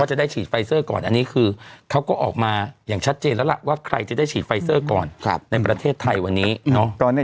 จะได้ฉีดไฟเซอร์ก่อนอันนี้คือเขาก็ออกมาอย่างชัดเจนแล้วล่ะว่าใครจะได้ฉีดไฟเซอร์ก่อนในประเทศไทยวันนี้เนาะ